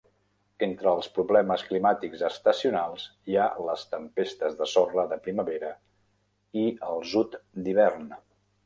Entre els problemes climàtics estacionals hi ha les tempestes de sorra de primavera i el zud d'hivern.